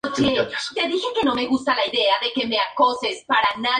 Los aquenios se desarrollan en una cabeza cilíndrica.